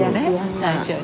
最初に。